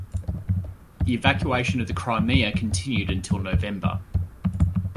The evacuation of the Crimea continued until November.